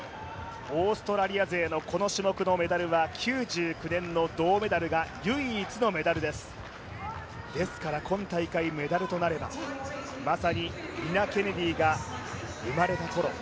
オーストラリアのこの種目のメダルは９９年の銅メダルが唯一のメダルです。ですから、今大会メダルとなれば、まさにニナ・ケネディ生まれたころ